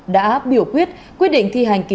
đã biểu quyết quyết định thi hành